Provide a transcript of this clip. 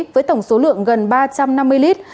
với tổng số lượng gần ba trăm năm mươi lít